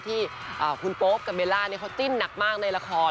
ที่คุณโป๊ปกับเบลล่าเขาจิ้นหนักมากในละคร